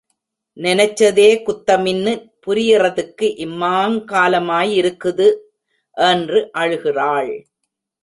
நெனச்சதே குத்தமின்னு புரியிறத்துக்கு இம்மாங் காலமாயிருக்குது! என்று அழுகிறாள்.